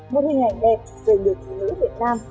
một hình ảnh đẹp về những người nữ việt nam